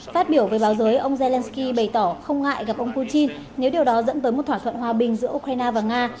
phát biểu với báo giới ông zelensky bày tỏ không ngại gặp ông putin nếu điều đó dẫn tới một thỏa thuận hòa bình giữa ukraine và nga